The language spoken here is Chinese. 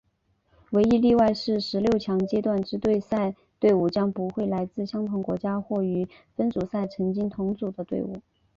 唯一例外是十六强阶段之对赛对伍将不会来自相同国家或于分组赛曾经同组的队伍。